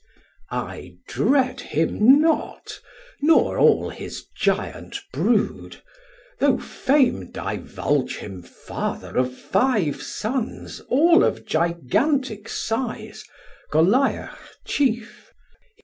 Sam: I dread him not, nor all his Giant brood, Though Fame divulge him Father of five Sons All of Gigantic size, Goliah chief.